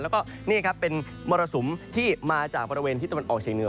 แล้วก็นี่ครับเป็นมรสุมที่มาจากบริเวณที่ตะวันออกเฉียงเหนือ